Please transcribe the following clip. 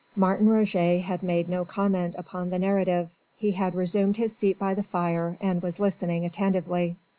Martin Roget had made no comment upon the narrative. He had resumed his seat by the fire and was listening attentively.